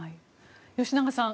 吉永さん